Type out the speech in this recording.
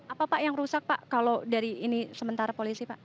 apa pak yang rusak pak kalau dari ini sementara polisi pak